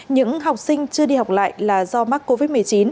những học sinh chưa đi học lại là do mắc covid một mươi chín